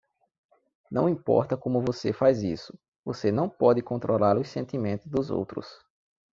Não importa como você faz isso, você não pode controlar os sentimentos dos outros.